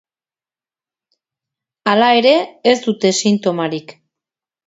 Hala ere, ez dute sintomarik.